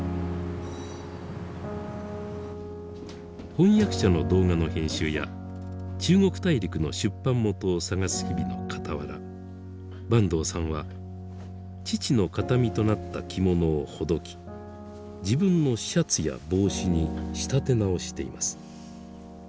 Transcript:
翻訳者の動画の編集や中国大陸の出版元を探す日々のかたわら坂東さんは父の形見となった着物をほどき自分のシャツや帽子に仕立て直しています。